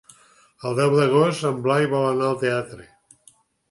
El deu d'agost en Blai vol anar al teatre.